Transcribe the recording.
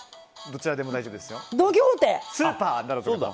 どちらでも大丈夫ですよ。